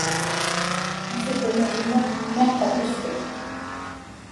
مۇشۇ كۈنلەرگىمۇ مىڭ قەترە شۈكۈر.